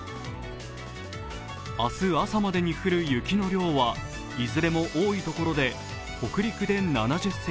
明日朝までに降る雪の量はいずれも多い所で北陸で７０ｃｍ